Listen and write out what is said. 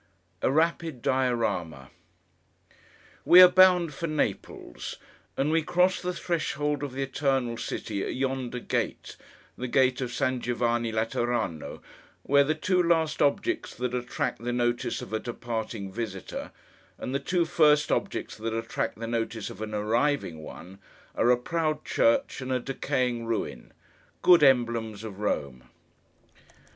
A RAPID DIORAMA WE are bound for Naples! And we cross the threshold of the Eternal City at yonder gate, the Gate of San Giovanni Laterano, where the two last objects that attract the notice of a departing visitor, and the two first objects that attract the notice of an arriving one, are a proud church and a decaying ruin—good emblems of Rome.